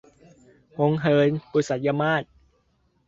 หงส์เหิน - บุษยมาส